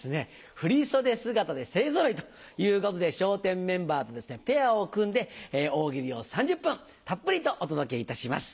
振り袖姿で勢ぞろいということで笑点メンバーとペアを組んで大喜利を３０分たっぷりとお届けいたします。